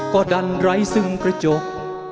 ก็ดันไร้ซึ่งกระจก